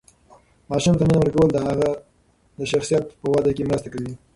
ماشوم ته مینه ورکول د هغه د شخصیت په وده کې مرسته کوي.